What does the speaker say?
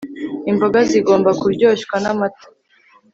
Imboga zigomba kuryoshywa namata